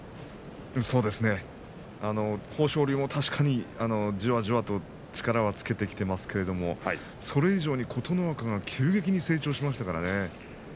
豊昇龍も確かに、じわじわと力はつけてきていますけれどそれ以上に琴ノ若が急激に成長しましたからね。